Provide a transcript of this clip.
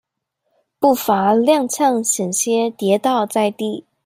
步伐踉蹌險些跌倒在地